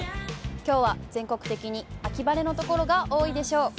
きょうは全国的に秋晴れの所が多いでしょう。